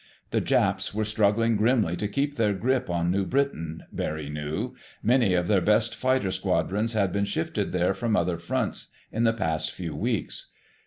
The Japs were struggling grimly to keep their grip on New Britain, Barry knew. Many of their best fighter squadrons had been shifted there from other fronts, in the past few weeks.